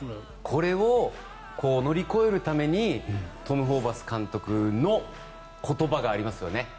これを乗り越えるためにトム・ホーバス監督の言葉がありますよね。